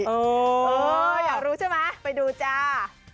อยากรู้ใช่ไหมไปดูจ้า